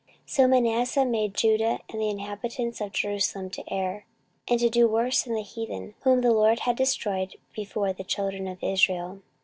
14:033:009 So Manasseh made Judah and the inhabitants of Jerusalem to err, and to do worse than the heathen, whom the LORD had destroyed before the children of Israel.